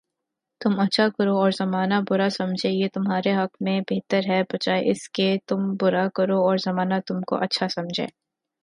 تم اچھا کرو اور زمانہ برا سمجھے، یہ تمہارے حق میں بہتر ہے بجائے اس کے تم برا کرو اور زمانہ تم کو اچھا سمجھے